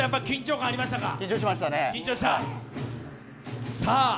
緊張しましたね。